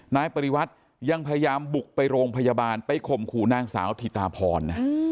นายปริวัติยังพยายามบุกไปโรงพยาบาลไปข่มขู่นางสาวถิตาพรนะ